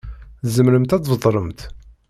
Tzemremt ad tbeṭlemt?